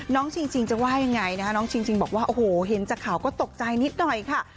ชิงจะว่ายังไงนะคะน้องชิงชิงบอกว่าโอ้โหเห็นจากข่าวก็ตกใจนิดหน่อยค่ะ